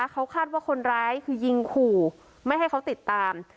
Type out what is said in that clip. เขาคาดว่าคนร้ายคือยิงขู่ไม่ให้เขาติดตาม